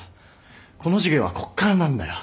この事業はこっからなんだよ